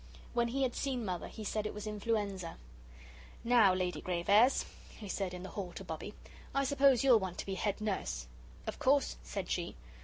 When he had seen Mother, he said it was influenza. "Now, Lady Grave airs," he said in the hall to Bobbie, "I suppose you'll want to be head nurse." "Of course," said she.